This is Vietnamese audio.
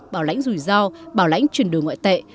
bảo lãnh rủi ro bảo lãnh chuyển đổi ngoại tệ